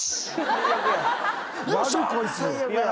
最悪や。